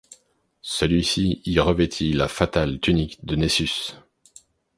Celui-ci y revêtit la fatale tunique de Nessus.